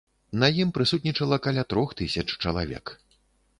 На ім прысутнічала каля трох тысяч чалавек.